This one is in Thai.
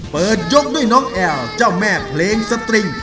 เปิดยกด้วยน้องแอลเจ้าแม่เพลงสตริง